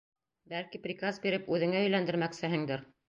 Бәлки, приказ биреп үҙеңә өйләндермәксеһеңдер!